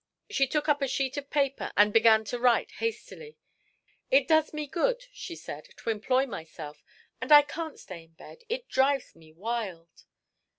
She took up a sheet of paper and began to write hastily. "It does me good," she said "to employ myself. And I can't stay in bed it drives me wild."